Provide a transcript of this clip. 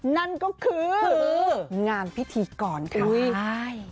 นั่นก็คืองานพิธีกรค่ะใช่